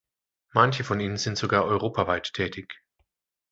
Manche von ihnen sind sogar europaweit tätig.